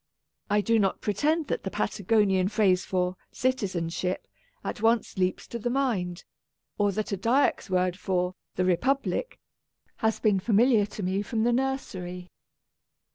I do not pretend that the Patagonian phrase for "citizenship" at once leaps to the mind, or that a Dyak's word for " the Republic " has been familiar to me from the nursery.